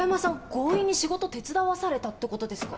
強引に仕事手伝わされたってことですか？